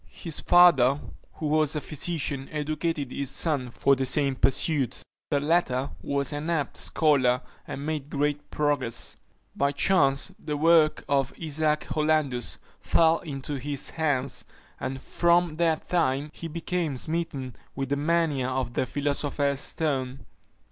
His father, who was a physician, educated his son for the same pursuit. The latter was an apt scholar, and made great progress. By chance the work of Isaac Hollandus fell into his hands, and from that time he became smitten with the mania of the philosopher's stone.